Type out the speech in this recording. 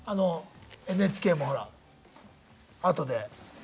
ＮＨＫもほら後で。